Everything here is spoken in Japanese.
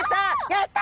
やった！